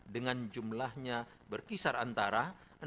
dengan jumlahnya berkisar antara